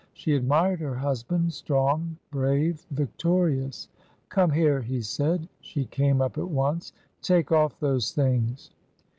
She admired her husband, strong, brave, victorious. 'Come here I' he said. She came up at once. ' Take oflF those things.'